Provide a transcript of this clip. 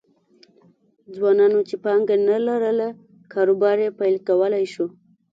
ځوانانو چې پانګه نه لرله کاروبار یې پیل کولای شو